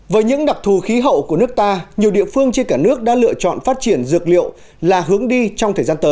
với những đặc thù khí hậu của nước ta nhiều địa phương trên cả nước đã lựa chọn phát triển dược liệu là hướng đi trong thời gian tới